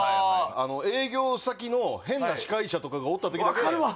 営業先の変な司会者とかがおった時だけ分かるわ！